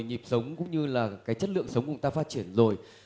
nhịp sống cũng như là cái chất lượng sống của chúng ta phát triển rồi